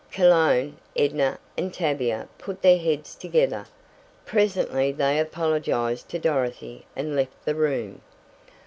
Cologne, Edna, and Tavia put their heads together. Presently they apologized to Dorothy and left the room.